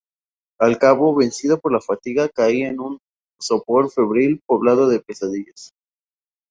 al cabo, vencido por la fatiga, caí en un sopor febril, poblado de pesadillas.